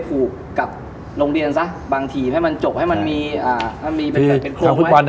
ผูกกับโรงเรียนซะบางทีให้มันจบให้มันมีอ่าถ้ามีถ้าคุณปอนด์